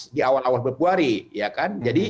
jadi pas di awal awal berpuari ya kan